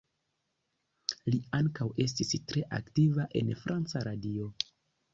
Li ankaŭ estis tre aktiva en franca radio.